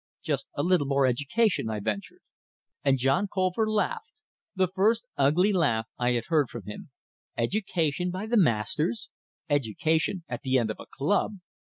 "Just a little more education," I ventured And John Colver laughed, the first ugly laugh I had heard from him. "Education by the masters? Education at the end of a club!"